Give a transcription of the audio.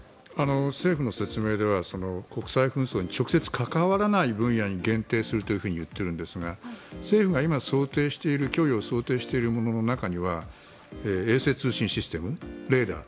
政府の説明では国際紛争に直接関わらない分野に限定するというふうに言っているんですが政府が今供与を想定しているものの中には衛星通信システム、レーダー